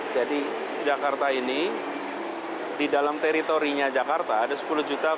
jadi jakarta ini di dalam teritorinya jakarta ada sepuluh juta